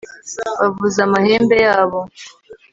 bavuzaga amahembe yabo